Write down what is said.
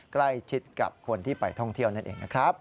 ใกล้ชิดกับคนที่ไปท่องเที่ยวนั่นเองนะครับ